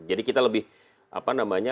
jadi kita lebih apa namanya